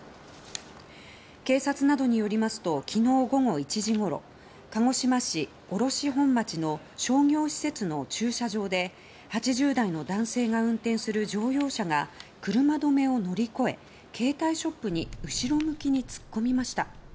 警察などによりますと昨日午後１時ごろ鹿児島市卸本町の商業施設の駐車場で８０代の男性が運転する乗用車が車止めを乗り越え携帯ショップに後ろ向きに突っ込みました。